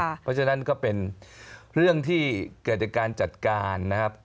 เพราะฉะนั้นก็เป็นเรื่องที่เกิดจากการจัดการนะครับ